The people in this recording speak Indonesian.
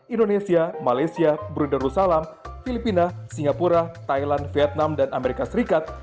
indonesia malaysia brunerusalam filipina singapura thailand vietnam dan amerika serikat